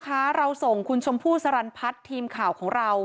เราส่งคุณชมพู่สรรพัฒน์ทีมข่าวของเรา